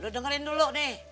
lo dengerin dulu nih